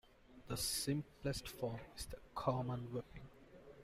The simplest form is the common whipping.